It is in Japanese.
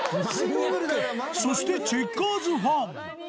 そしてチェッカーズファン。